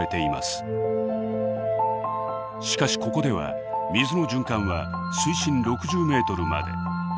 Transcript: しかしここでは水の循環は水深６０メートルまで。